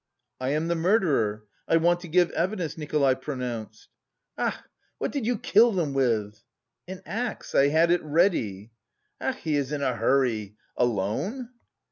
"I am the murderer.... I want to give evidence," Nikolay pronounced. "Ach! What did you kill them with?" "An axe. I had it ready." "Ach, he is in a hurry! Alone?"